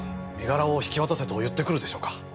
身柄を引き渡せと言ってくるでしょうか？